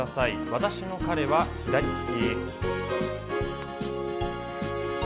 「私の彼は左きき」。